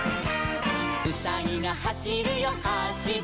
「うさぎがはしるよはしる」